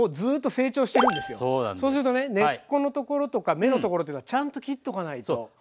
そうするとね根っこのところとか芽のところっていうのはちゃんと切っとかないと。